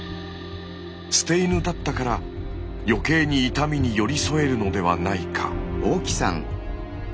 捨て犬だったから余計に痛みに寄り添えるのではないか？